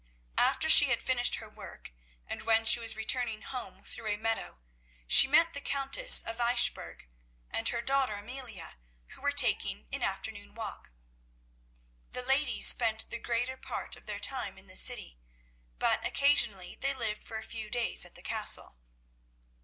After she had finished her work, and when she was returning home through a meadow, she met the Countess of Eichbourg and her daughter Amelia who were taking an afternoon walk. The ladies spent the greater part of their time in the city, but occasionally they lived for a few days at the Castle.